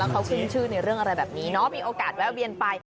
เขาขึ้นชื่อในเรื่องอะไรแบบนี้เนาะมีโอกาสแวะเวียนไป